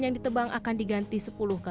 baik perurahan maupun jujekan